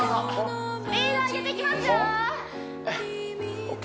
スピード上げていきますよＯＫ